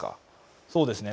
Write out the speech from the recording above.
そうですね